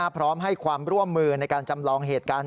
พร้อมให้ความร่วมมือในการจำลองเหตุการณ์